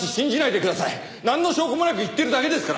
なんの証拠もなく言ってるだけですから。